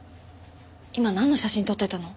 今なんの写真撮ってたの？